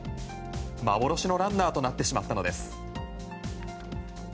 幻のランナーとなってしまったのです。